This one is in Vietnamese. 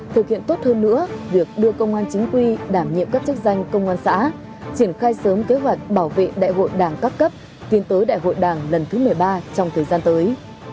thực hiện tốt hơn nữa việc đưa công an chính quy đảm nhiệm các chức danh công an xã triển khai sớm kế hoạch bảo vệ đại hội đảng các cấp tiến tới đại hội đảng lần thứ một mươi ba trong thời gian tới